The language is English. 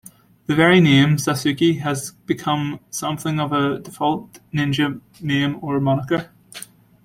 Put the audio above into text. The very name Sasuke has become something of a default ninja name or moniker.